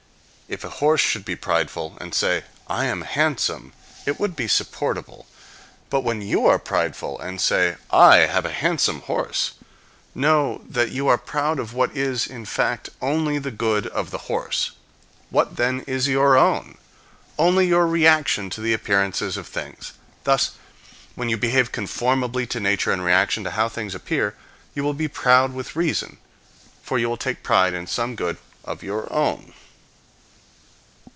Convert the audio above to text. If a horse should be prideful and say, " I am handsome," it would be supportable. But when you are prideful, and say, " I have a handsome horse," know that you are proud of what is, in fact, only the good of the horse. What, then, is your own? Only your reaction to the appearances of things. Thus, when you behave conformably to nature in reaction to how things appear, you will be proud with reason; for you will take pride in some good of your own.